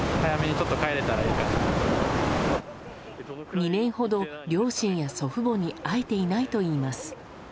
２年ほど両親や祖父母に会えていないといいます。